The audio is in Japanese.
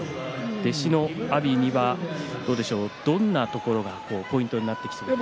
弟子の阿炎はどんなところがポイントになってきそうですか？